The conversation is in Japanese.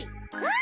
あ！